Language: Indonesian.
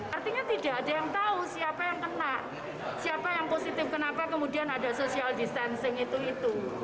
artinya tidak ada yang tahu siapa yang kena siapa yang positif kenapa kemudian ada social distancing itu itu